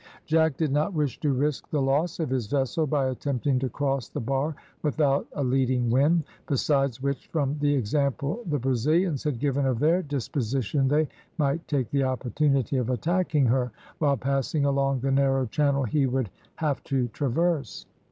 Jack did not wish to risk the loss of his vessel by attempting to cross the bar without a leading wind, besides which from the example the Brazilians had given of their disposition they might take the opportunity of attacking her while passing along the narrow channel he would have to traverse.